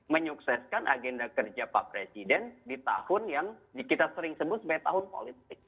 menyukseskan agenda kerja pak presiden di tahun yang kita sering sebut sebagai tahun politik